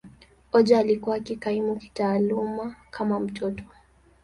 Ojo alikuwa akikaimu kitaaluma kama mtoto.